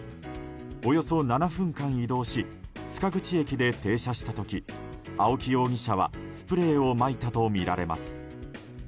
およそ７分間移動し塚口駅で停車した時青木容疑者はスプレーをまいたとみられます。